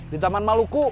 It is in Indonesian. di taman maluku